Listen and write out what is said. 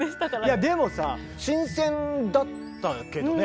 いやでもさ新鮮だったけどね